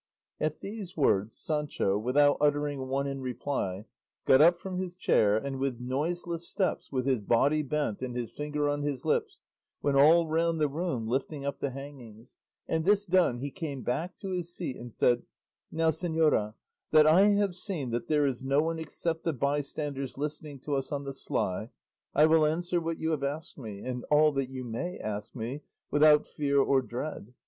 At these words, Sancho, without uttering one in reply, got up from his chair, and with noiseless steps, with his body bent and his finger on his lips, went all round the room lifting up the hangings; and this done, he came back to his seat and said, "Now, señora, that I have seen that there is no one except the bystanders listening to us on the sly, I will answer what you have asked me, and all you may ask me, without fear or dread.